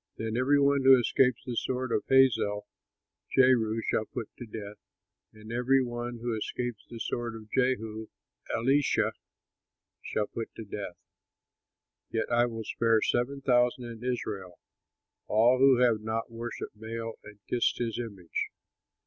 Then every one who escapes the sword of Hazael, Jehu shall put to death; and every one who escapes the sword of Jehu, Elisha shall put to death. Yet I will spare seven thousand in Israel all who have not worshipped Baal and kissed his image."